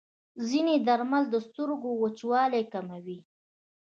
ځینې درمل د سترګو وچوالی کموي.